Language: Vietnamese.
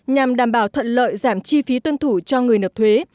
nhằm đảm bảo thuận lợi giảm chi phí tuân thủ cho người nộp thuế